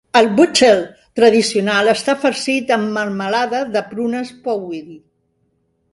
El Buchtel tradicional està farcit amb melmelada de prunes Powidl.